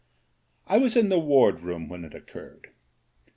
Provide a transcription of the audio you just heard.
I was in the ward room when it occurred.